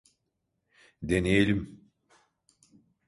Deneyelim.